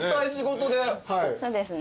そうですね。